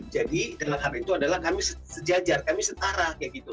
jadi dalam hal itu adalah kami sejajar kami setara